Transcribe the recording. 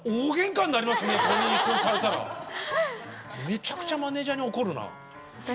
めちゃくちゃマネージャーに怒るなあ。